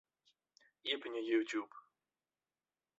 Iepenje YouTube.